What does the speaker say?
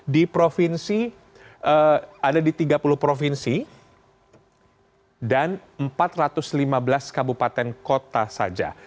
di provinsi ada di tiga puluh provinsi dan empat ratus lima belas kabupaten kota saja